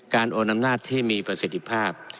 โอนอำนาจที่มีประสิทธิภาพ